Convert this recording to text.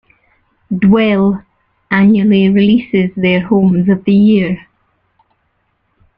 "Dwell" annually releases their homes of the year.